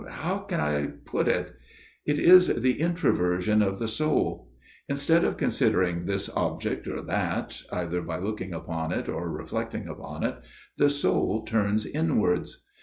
... How can I put it ? It is the introversion of the soul. Instead of considering this object or that, either by looking upon it or reflecting upon it, the soul turns inwards.